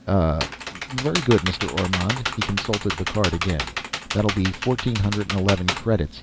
"Uh, very good, Mr. Ormond." He consulted the card again. "That'll be fourteen hundred and eleven credits."